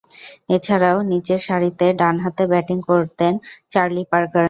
এছাড়াও, নিচেরসারিতে ডানহাতে ব্যাটিং করতেন চার্লি পার্কার।